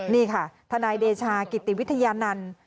นี่ค่ะทนายเดชากิติวิทยานันต์